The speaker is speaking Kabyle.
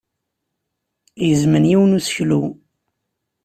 Gezmen yiwen n useklu.